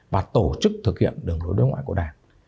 và tổ chức thực hiện đường lối đối ngoại của đảng